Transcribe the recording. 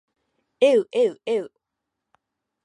えうえうえう